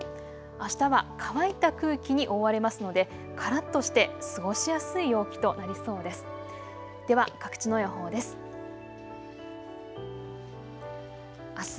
あしたは乾いた空気に覆われますのでからっとして過ごしやすい陽気となりそうです。